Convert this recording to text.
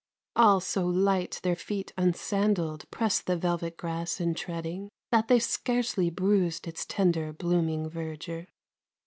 All so light their feet unsandalled Pressed the velvet grass in treading, That they scarcely bruised its tender Blooming verdure.